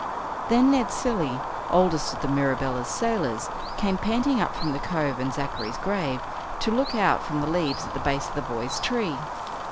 Then Ned Cilley, oldest of the Mirabelle's sailors, came panting up from the cove and Zachary's grave to look out from the leaves at the base of the boys' tree.